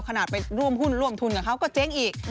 ขนาดไปร่วมหุ้นร่วมทุนกับเขาก็เจ๊งอีก